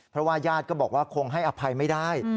เพราะว่าญาติก็บอกว่าคงให้อภัยไม่ได้